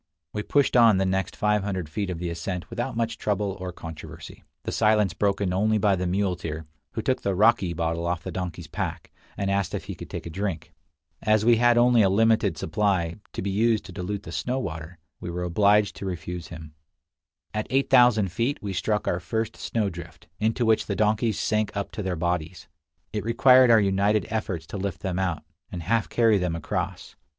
We pushed on the next 500 feet of the ascent without much trouble or controversy, the silence broken only by the muleteer, who took the raki bottle off the donkey's pack, and asked if he II 59 : p^ mtr im ' V?f OUR GUARDS SIT DOWN TO DISCUSS THE SITUATION. could take a drink. As we had only a limited supply, to be used to dilute the snow water, we were obliged to refuse him. At 8000 feet we struck our first snowdrift, into which the donkeys sank up to their bodies. It required our united efforts to lift them out, and half carry them across.